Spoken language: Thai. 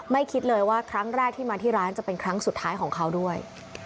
คิดเลยว่าครั้งแรกที่มาที่ร้านจะเป็นครั้งสุดท้ายของเขาด้วย